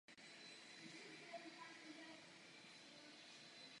Jejím autorem je karlovarský rodák akad.